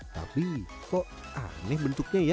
tapi kok aneh bentuknya ya